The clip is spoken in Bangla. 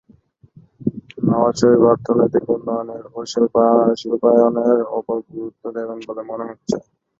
নওয়াজ শরিফ অর্থনৈতিক উন্নয়নের ও শিল্পায়নের ওপর গুরুত্ব দেবেন বলে মনে হচ্ছে।